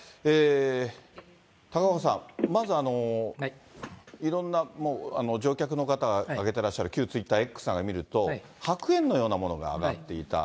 高岡さん、まず、いろんな乗客の方が上げていらっしゃる、旧ツイッター・Ｘなんか見ると、白煙のようなものが上がっていた。